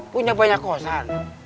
punya banyak kosan